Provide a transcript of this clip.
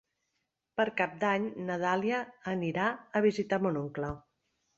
Per Cap d'Any na Dàlia anirà a visitar mon oncle.